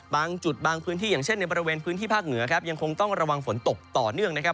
บางจุดบางพื้นที่อย่างเช่นในบริเวณพื้นที่ภาคเหนือครับยังคงต้องระวังฝนตกต่อเนื่องนะครับ